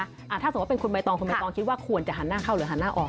ถ้าสมมุติเป็นคุณใบตองคุณใบตองคิดว่าควรจะหันหน้าเข้าหรือหันหน้าออก